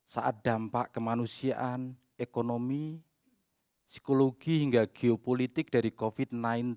saat dampak kemanusiaan ekonomi psikologi hingga geopolitik dari covid sembilan belas